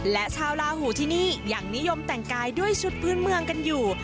และชาวลาหูที่นี่ยังนิยมแต่งกายด้วยชุดพื้นเมืองกันอยู่